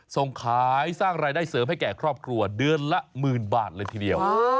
ส่งขายสร้างรายได้เสริมให้แก่ครอบครัวเดือนละหมื่นบาทเลยทีเดียว